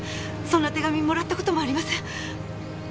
そんな手紙もらった事もありません。